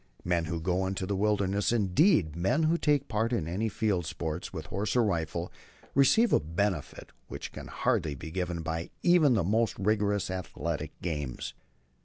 Men who go into the wilderness, indeed, men who take part in any field sports with horse or rifle, receive a benefit which can hardly be given by even the most vigorous athletic games.